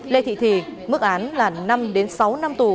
lê thị thì mức án là năm đến sáu năm tù